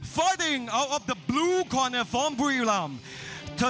ฝ่ายขึ้นออกจากบลูกข้างของบุรีลำ